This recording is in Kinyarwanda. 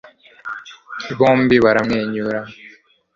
bombi baramwenyura